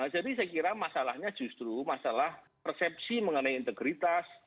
saya kira masalahnya justru masalah persepsi mengenai integritas